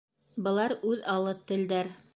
Былар үҙ аллы телдәр.